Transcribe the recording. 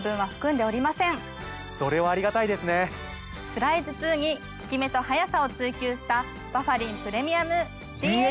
つらい頭痛に効き目と速さを追求したバファリンプレミアム。